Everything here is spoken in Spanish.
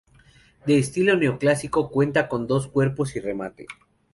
De estilo neoclásico, cuenta con dos cuerpos y remate.